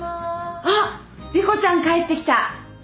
あっ莉湖ちゃん帰ってきた。